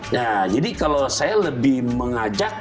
nah jadi kalau saya lebih mengajak